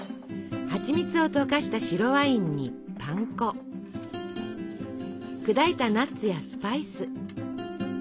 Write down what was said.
はちみつを溶かした白ワインにパン粉砕いたナッツやスパイス。